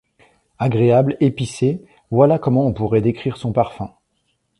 Agréable, épicé, voilà comment on pourrait décrire son parfum.